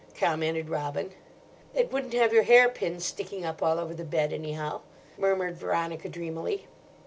commented Robin. "It wouldn't have your hairpins sticking up all over the bed, anyhow," murmured Veronica dreamily.